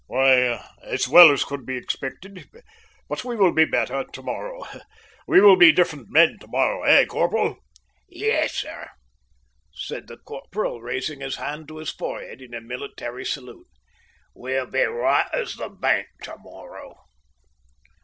"Why, as well as could be expected. But we will be better tomorrow we will be different men to morrow, eh, Corporal?" "Yes, sir," said the corporal, raising his hand to his forehead in a military salute. "We'll be right as the bank to morrow."